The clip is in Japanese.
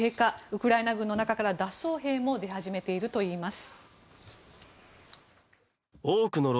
ウクライナ軍の中から脱走兵も出始めているといいます。